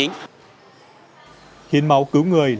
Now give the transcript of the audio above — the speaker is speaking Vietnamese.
hiến máu cứu người